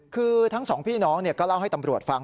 คือทั้งสองพี่น้องก็เล่าให้ตำรวจฟัง